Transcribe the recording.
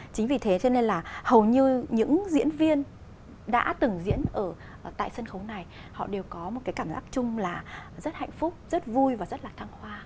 chính vì thế cho nên là hầu như những diễn viên đã từng diễn ở tại sân khấu này họ đều có một cái cảm giác chung là rất hạnh phúc rất vui và rất là thăng hoa